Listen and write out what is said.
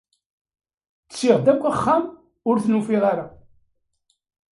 Ttiɣ-d akk axxam, ur ten-ufiɣ ara.